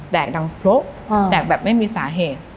แตกดังพลบอืมแตกแบบไม่มีสาเหตุอ่อ